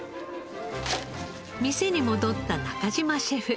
店に戻った中嶋シェフ。